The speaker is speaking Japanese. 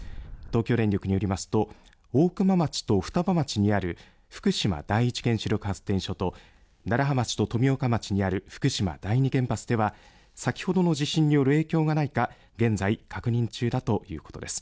東京電力によりますと大熊町と双葉町にある福島第一原子力発電所と楢葉町と富岡町にある福島第二原発では先ほどの地震による影響がないか現在、確認中だということです。